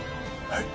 はい。